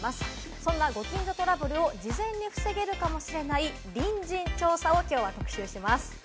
そんなご近所トラブルを事前に防げるかもしれない隣人調査を今日は特集します。